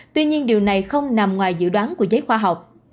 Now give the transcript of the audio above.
tuy nhiên điều này không nằm ngoài dự đoán của giới khoa học